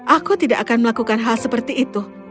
aku tidak akan melakukan hal seperti itu